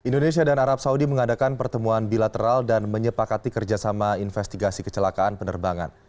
indonesia dan arab saudi mengadakan pertemuan bilateral dan menyepakati kerjasama investigasi kecelakaan penerbangan